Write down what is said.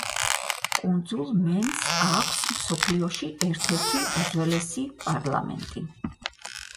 კუნძულ მენს აქვს მსოფლიოში ერთ-ერთი უძველესი პარლამენტი.